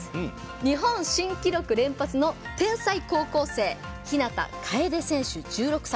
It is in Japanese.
日本新記録連発の天才高校生日向楓選手、１６歳。